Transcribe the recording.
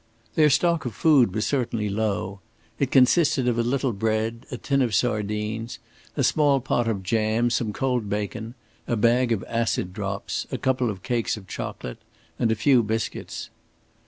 Their stock of food was certainly low. It consisted of a little bread, a tin of sardines, a small pot of jam, some cold bacon, a bag of acid drops, a couple of cakes of chocolate, and a few biscuits.